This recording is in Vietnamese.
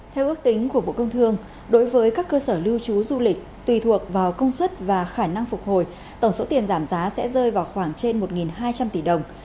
theo ước tính của bộ công thương đối với các cơ sở lưu trú du lịch tùy thuộc vào công suất và khả năng phục hồi tổng số tiền giảm giá sẽ rơi vào khoảng trên một hai trăm linh tỷ đồng